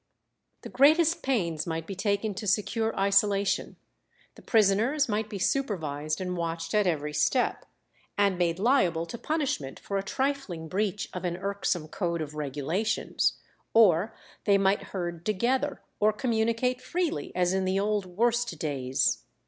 The greatest pains might be taken to secure isolation, the prisoners might be supervised and watched at every step, and made liable to punishment for a trifling breach of an irksome code of regulations, or they might herd together or communicate freely as in the old worst days.